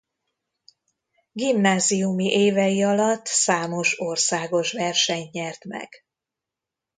Gimnáziumi évei alatt számos országos versenyt nyert meg.